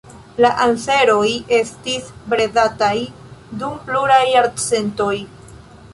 La anseroj estis bredataj dum pluraj jarcentoj.